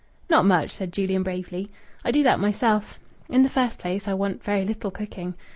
"Not much!" said Julian bravely. "I do that myself. In the first place, I want very little cooking.